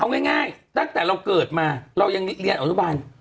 เอาง่ายตั้งแต่เราเกิดมาเรายังเรียนอนุบัน